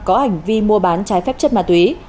có hành vi mua bán trái phép chất ma túy